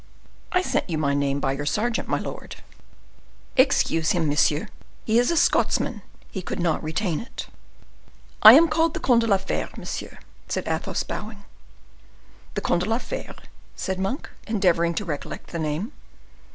"I sent you my name by your sergeant, my lord." "Excuse him, monsieur, he is a Scotsman,—he could not retain it." "I am called the Comte de la Fere, monsieur," said Athos, bowing. "The Comte de la Fere?" said Monk, endeavoring to recollect the name.